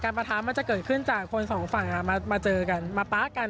ประทะมันจะเกิดขึ้นจากคนสองฝั่งมาเจอกันมาป๊ากัน